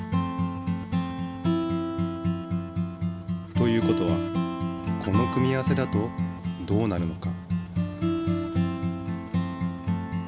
という事はこの組み合わせだとどうなるのか。